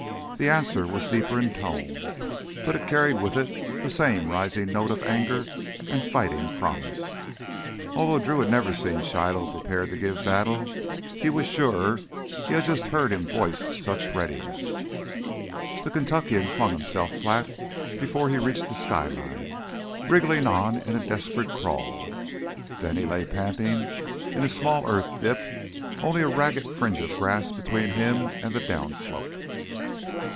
The answer was deeper in tone, but it carried with it the same rising note of anger and fighting promise. Although Drew had never seen Shiloh prepare to give battle, he was sure he had just heard him voice such readiness. The Kentuckian flung himself flat before he reached the skyline, wriggling on in a desperate crawl. Then he lay panting in a small earth dip, only a ragged fringe of grass between him and the down slope.